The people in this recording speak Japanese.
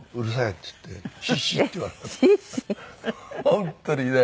本当にね。